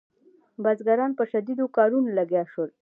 بزګران په شدیدو کارونو لګیا شول.